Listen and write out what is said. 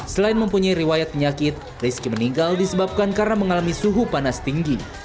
selain mempunyai riwayat penyakit rizky meninggal disebabkan karena mengalami suhu panas tinggi